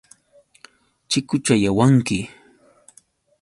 Chikuchayawanki.